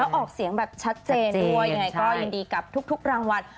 ออกเสียงแบบชัดเจนด้วยยังไงก็ยินดีกับทุกรางวัล